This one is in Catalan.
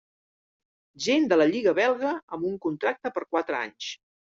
Gent de la lliga belga amb un contracte per quatre anys.